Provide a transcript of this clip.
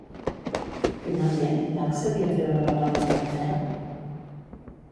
Finalment, va accedir a treure la dona de l'infern?